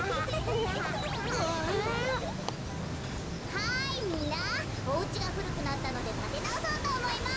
はいみんなおうちがふるくなったのでたてなおそうとおもいます！